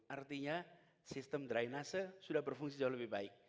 artinya sistem dry nasa sudah berfungsi jauh lebih baik